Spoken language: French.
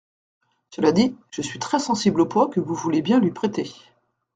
Cela dit, je suis très sensible au poids que vous voulez bien lui prêtez.